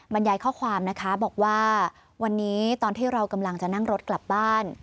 บรรยายข้อความนะคะบอกว่าวันนี้ตอนที่เรากำลังจะนั่งรถกลับบ้าน